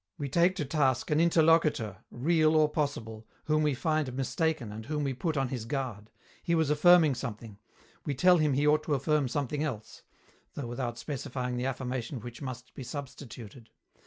We take to task an interlocutor, real or possible, whom we find mistaken and whom we put on his guard. He was affirming something: we tell him he ought to affirm something else (though without specifying the affirmation which must be substituted).